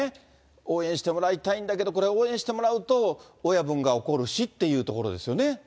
応援してもらいたいんだけど、これ応援してもらうと親分が怒るしっていうところですよね。